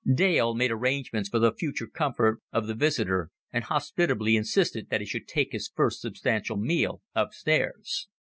Dale made arrangements for the future comfort of the visitor, and hospitably insisted that he should take his first substantial meal up stairs.